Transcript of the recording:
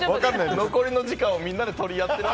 残りの時間をみんなで取り合ってる。